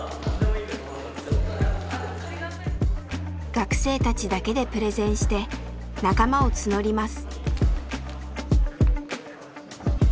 学生たちだけでプレゼンして仲間を募ります。